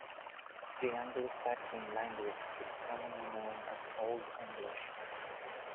The Anglo-Saxon language is commonly known as Old English.